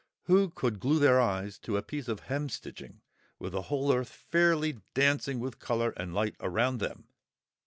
Who could glue their eyes to a piece of hemstitching with the whole earth fairly dancing with colour and light around them?